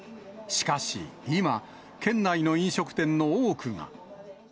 しかし今、県内の飲食店の多くが。